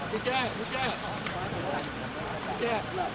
เจ๊เจ๊เจ๊